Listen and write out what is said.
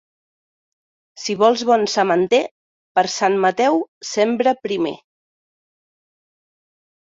Si vols bon sementer, per Sant Mateu sembra primer.